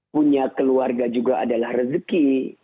punya keluarga juga adalah rezeki